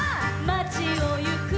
「まちをゆく」